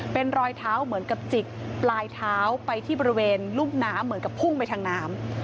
เป็นรอยเท้าเหมือนกับจิกปลายเท้าไปที่บริเวณรุ่มน้ำเหมือนกับพุ่งไปทางน้ำ